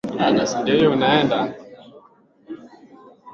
Zahir huvaa koti usiku